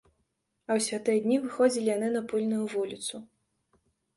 А ў святыя дні выходзілі яны на пыльную вуліцу.